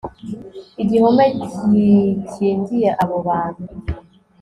igihome gikingiye abo bantu